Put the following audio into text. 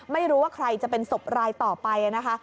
ไม่รู้ว่าใครจะเป็นศพรายต่อไปนะคะ